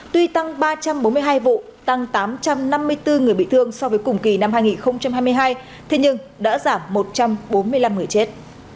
tuy tăng ba trăm bốn mươi hai vụ tăng tám trăm năm mươi bốn người bị thương so với cùng kỳ năm hai nghìn hai mươi hai thế nhưng đã giảm một trăm bốn mươi năm người chết